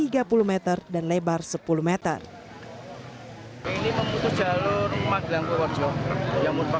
jalan longsor yang tersebut terkait dengan jalan utama